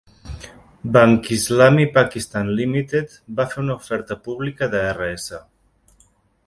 BankIslami Pakistan Limited va fer una oferta pública de Rs.